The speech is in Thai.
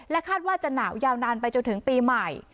คาดว่าจะหนาวยาวนานไปจนถึงปีใหม่